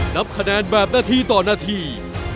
นับคะแนนแบบนาทีต่อนาที